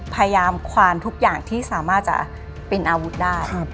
พยายามควานทุกอย่างที่สามารถจะเป็นอาวุธได้